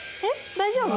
大丈夫？